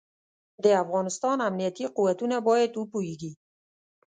د افغانستان امنيتي قوتونه بايد وپوهېږي.